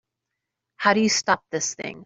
How do you stop this thing?